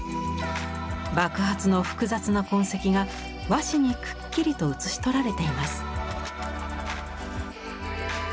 爆発の複雑な痕跡が和紙にくっきりと写し取られています。